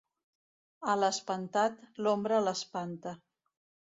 A l'espantat, l'ombra l'espanta.